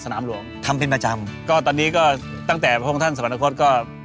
สนามหลวงทำเป็นประจำก็ตอนนี้ก็ตั้งแต่พระองค์ท่านสวรรคตก็